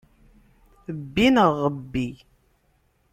Bbi, neɣ ɣebbi.